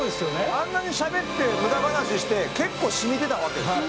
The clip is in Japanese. あんなにしゃべって無駄話して結構染みてたわけですよ。